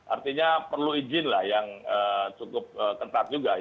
artinya perlu izin lah yang cukup ketat juga